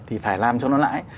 thì phải làm cho nó lãi